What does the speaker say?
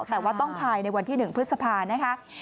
แต่ว่าต้องพายในวันที่หนึ่งพฤษภานะครับ